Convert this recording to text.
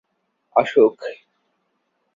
অসুখ!